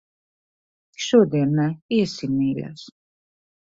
Šodien ne. Iesim, mīļais.